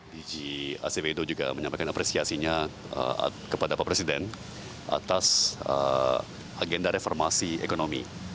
dg acp itu juga menyampaikan apresiasinya kepada pak presiden atas agenda reformasi ekonomi